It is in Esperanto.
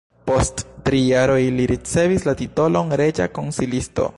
Post tri jaroj li ricevis la titolon reĝa konsilisto.